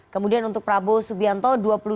kemudian untuk prabowo subianto dua puluh dua empat persen